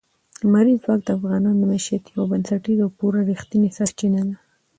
لمریز ځواک د افغانانو د معیشت یوه بنسټیزه او پوره رښتینې سرچینه ده.